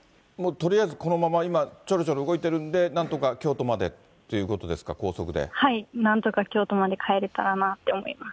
とりあえず、このまま、今、ちょろちょろ動いてるんでなんとか京都までということですか、高はい、なんとか京都まで帰れたらなって思います。